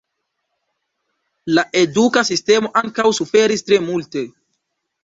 La eduka sistemo ankaŭ suferis tre multe.